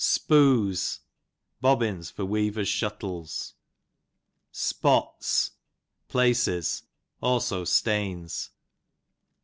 Spoos, bobbins for weavers shuttles Spots, places ; also stains.